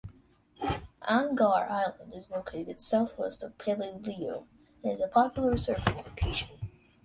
Angaur Island is located southwest of Peleliu, and it is a popular surfing location.